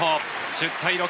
１０対６。